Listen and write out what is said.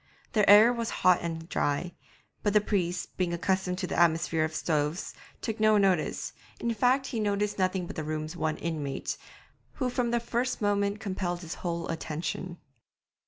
The air was hot and dry, but the priest, being accustomed to the atmosphere of stoves, took no notice, in fact, he noticed nothing but the room's one inmate, who from the first moment compelled his whole attention.